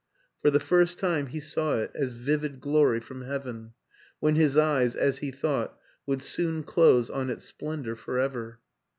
For the first time he saw it as vivid glory from heaven when his eyes (as he thought) would soon close on its splendor for ever.